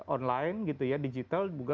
online gitu ya digital juga